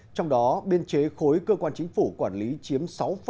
trong đó biên chế khối cơ quan chính phủ quản lý chiếm sáu bảy mươi năm